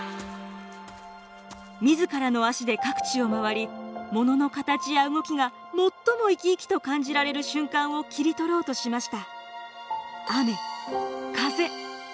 自らの足で各地を回りものの形や動きが最も生き生きと感じられる瞬間を切り取ろうとしました。